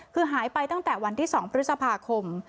คือหายไปตั้งแต่วันที่๒พฤษภาคม